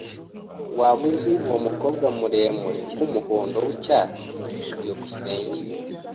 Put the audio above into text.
Waba uzi uwo mukobwa muremure wumuhondo wicyatsi? byukusenge